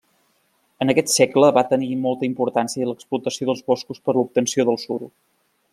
En aquest segle va tenir molta importància l'explotació dels boscos per l'obtenció del suro.